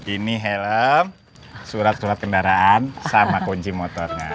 ini helm surat surat kendaraan sama kunci motornya